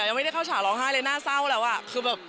ยังไม่ได้เข้าฉากร้องไห้เลยน่าเศร้าแล้วอ่ะคือแบบ